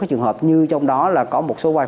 trường hợp như trong đó là có một số